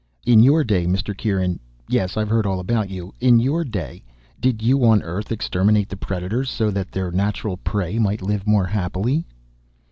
"In your day, Mr. Kieran yes, I've heard all about you in your day, did you on Earth exterminate the predators so that their natural prey might live more happily?"